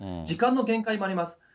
時間の限界もあります。